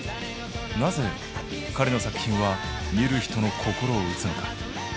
なぜ彼の作品は見る人の心を打つのか？